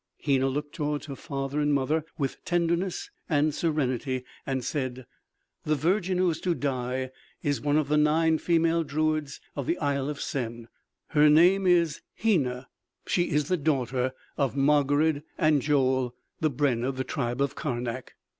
Hena looked towards her father and mother with tenderness and serenity and said: "The virgin who is to die is one of the nine female druids of the Isle of Sen. Her name is Hena. She is the daughter of Margarid and Joel, the brenn of the tribe of Karnak!"